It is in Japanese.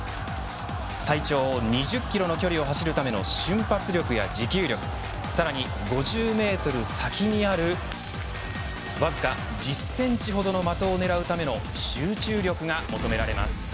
最長２０キロの距離を走るための瞬発力や持久力さらに５０メートル先にあるわずか１０センチほどのまとを狙うための集中力が求められます。